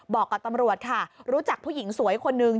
บอกกับตำรวจค่ะรู้จักผู้หญิงสวยคนนึง